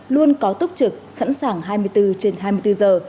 luôn có tốc trực sẵn sàng hai mươi bốn trên hai mươi bốn giờ